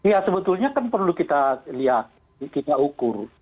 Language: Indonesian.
ya sebetulnya kan perlu kita lihat kita ukur